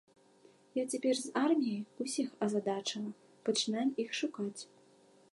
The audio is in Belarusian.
Я цяпер з арміяй, усіх азадачыла, пачынаем іх шукаць.